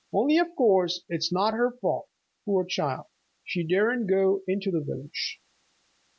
Only of course it's not her fault, poor child! She daren't go into the village."